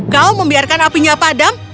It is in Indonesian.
kau membiarkan apinya padam